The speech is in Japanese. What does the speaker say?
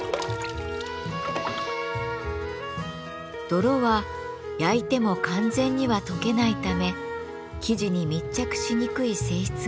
泥は焼いても完全には溶けないため素地に密着しにくい性質があります。